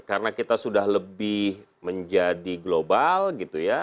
karena kita sudah lebih menjadi global gitu ya